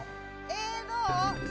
えっどう？